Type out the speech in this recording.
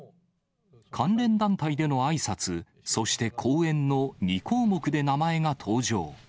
関連団体でのあいさつ、そして講演の２項目で名前が登場。